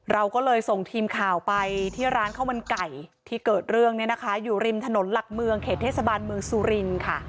เราก็เลยส่งทีมข่าวไปที่ร้านข้าวมันไก่ที่เกิดเรื่องเนี่ยนะคะอยู่ริมถนนหลักเมืองเขตเทศบาลเมืองสุรินค่ะ